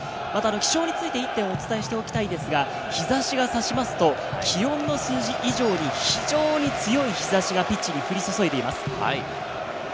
気象についていったんお伝えしたいんですが、日差しが差すと、気温の数字以上に非常に強い日差しがピッチに降り注いでいます。